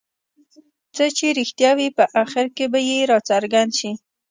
څه چې رښتیا وي په اخر کې به یې راڅرګند شي.